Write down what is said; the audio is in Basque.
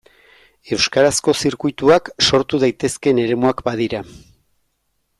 Euskarazko zirkuituak sortu daitezkeen eremuak badira.